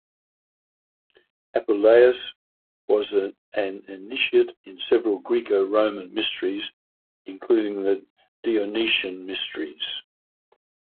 Apuleius was an initiate in several Greco-Roman mysteries, including the Dionysian Mysteries.